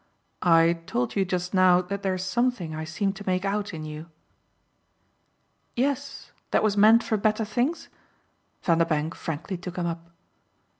"I told you just now that there's something I seem to make out in you." "Yes, that was meant for better things?" Vanderbank frankly took him up.